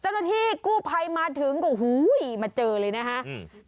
แต่ตอนที่กู้ไพมาถึงก็หูยมาเจอเลยนะคะอืม